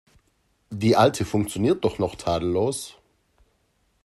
Die alte funktioniert doch noch tadellos.